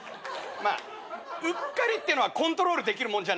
まあうっかりってのはコントロールできるもんじゃないから。